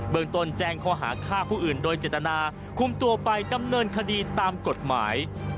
เมืองตนแจ้งข้อหาฆ่าผู้อื่นโดยเจตนาคุมตัวไปดำเนินคดีตามกฎหมาย